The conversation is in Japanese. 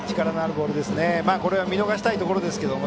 今のは見逃したいところですが。